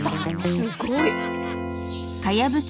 すごい。